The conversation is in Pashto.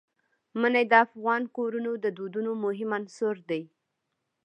منی د افغان کورنیو د دودونو مهم عنصر دی.